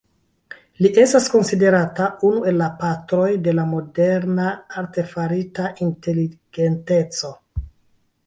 Li estas konsiderata unu el la patroj de la moderna artefarita inteligenteco.